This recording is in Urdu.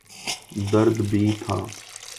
درد بھی تھا۔